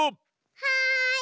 はい！